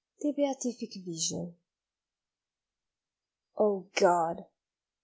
THE BEATIFIC VISION. OH God!